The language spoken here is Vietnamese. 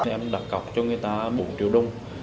em đặt cọc cho người ta bốn triệu đồng